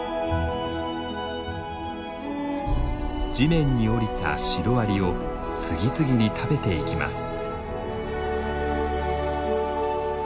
地面に降りたシロアリを次々に食べていきます。